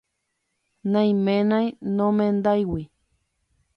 Naiménai nomendáigui.